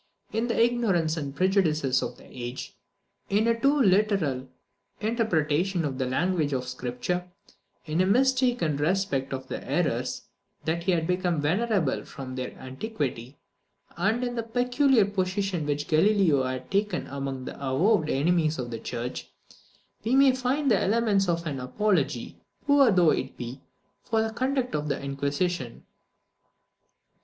In the ignorance and prejudices of the age in a too literal interpretation of the language of Scripture in a mistaken respect for the errors that had become venerable from their antiquity and in the peculiar position which Galileo had taken among the avowed enemies of the church, we may find the elements of an apology, poor though it be, for the conduct of the Inquisition.